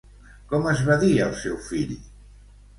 Com es va dir el seu fill?